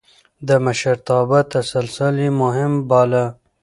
د مشرتابه تسلسل يې مهم باله.